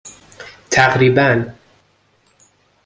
تقریباً